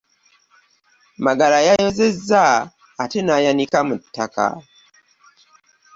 Magala yayozezza ate n'ayanika mu ttaka.